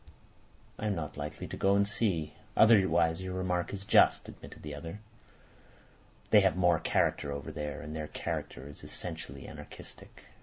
"I am not likely to go and see. Otherwise your remark is just," admitted the other. "They have more character over there, and their character is essentially anarchistic.